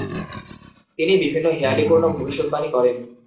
তিনি বিভিন্ন হেঁয়ালিপূর্ণ ভবিষ্যদ্বাণী করেন।